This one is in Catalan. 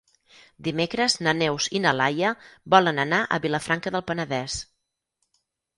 Dimecres na Neus i na Laia volen anar a Vilafranca del Penedès.